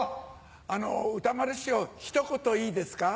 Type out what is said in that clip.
あの歌丸師匠一言いいですか？